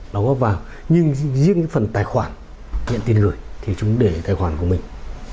nó góp vào nhưng riêng phần tài khoản nhận tin gửi thì chúng để tài khoản của mình